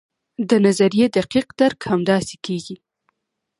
د نظریې دقیق درک همداسې کیږي.